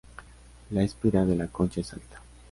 La espira de la concha es alta.